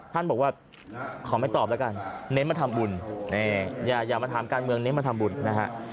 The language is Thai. ท่านบอกว่าขอไม่ตอบแล้วกันเน้นมาทำบุญอย่ามาถามการเมืองเน้นมาทำบุญนะฮะ